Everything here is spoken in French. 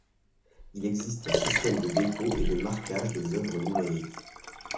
Il existe un système de dépôt et de marquage des œuvres numérique.